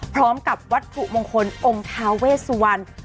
พร้อมกับวัตถุมงคลองค์ทาเวสวรรณ